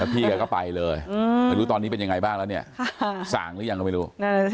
พี่แกก็ไปเลยไม่รู้ตอนนี้เป็นยังไงบ้างแล้วเนี่ยสั่งหรือยังก็ไม่รู้